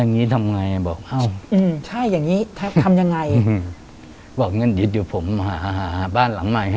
นั่งมานั่งกินข้าว